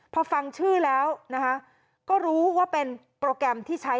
พอฟังชื่อแล้วนะคะก็รู้ว่าเป็นโปรแกรมที่ใช้